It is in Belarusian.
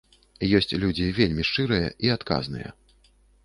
Ёсць людзі вельмі шчырыя і адказныя.